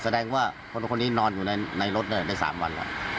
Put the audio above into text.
คนโทคนนี้นอนอยู่ในรถแน่ได้๓วัน